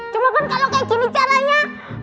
cuma kan kalau kayak gini caranya